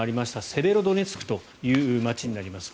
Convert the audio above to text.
セベロドネツクという街になります。